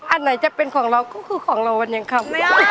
อันไหนจะเป็นของเราก็คือของเราเนี่ยครับ